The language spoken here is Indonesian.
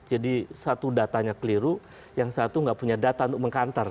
jadi satu datanya keliru yang satu tidak punya data untuk mengkantar